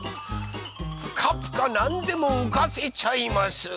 ぷかぷかなんでもうかせちゃいます。